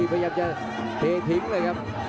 พยายามจะเททิ้งเลยครับ